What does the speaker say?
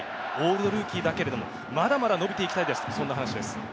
オールドルーキーだけれども、まだまだ伸びていきたいというそんな話です。